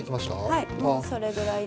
はい。